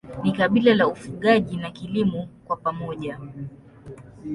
Ni kabila la ufugaji na kilimo kwa pamoja.